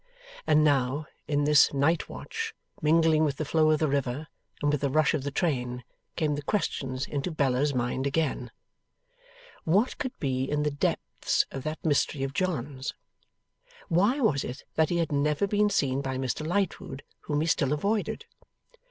And now, in this night watch, mingling with the flow of the river and with the rush of the train, came the questions into Bella's mind again: What could be in the depths of that mystery of John's? Why was it that he had never been seen by Mr Lightwood, whom he still avoided?